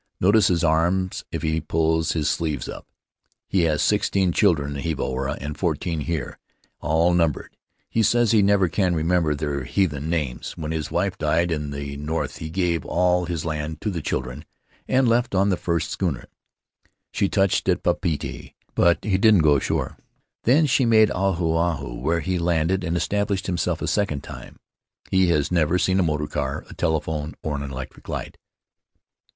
Notice his arms if he pulls his sleeyes up. He has sixteen children on Hiva Oa and fourteen here — all numbered; he says he never can remember their heathen names. When his wife died in the north he gave all his land to the children and left on the first schooner. She touched at Papeete, but he didn't go ashore. Then she made Ahu Ahu, where he landed and established himself a second time. He has never seen a motor car, a telephone, or an electric light."